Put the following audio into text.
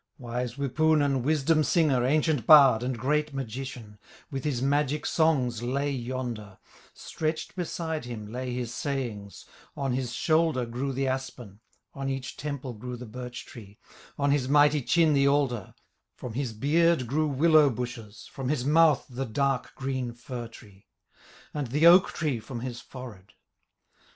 Wise Wipunen, wisdom singer, Ancient bard, and great magician, With his magic songs lay yonder, Stretched beside him, lay his sayings, On his shoulder grew the aspen, On each temple grew the birch tree, On his mighty chin the alder, From his beard grew willow bushes, From his mouth the dark green fir tree, And the oak tree from his forehead.